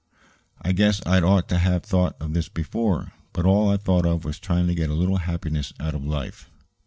"I guess I'd ought to have thought of this before, but all I thought of was trying to get a little happiness out of life.